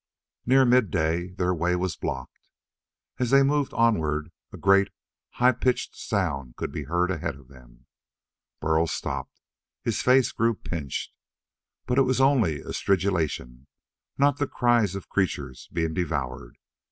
Near midday their way was blocked. As they moved onward, a great, high pitched sound could be heard ahead of them. Burl stopped; his face grew pinched. But it was only a stridulation, not the cries of creatures being devoured.